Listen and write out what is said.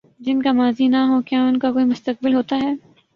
جن کا ماضی نہ ہو، کیا ان کا کوئی مستقبل ہوتا ہے؟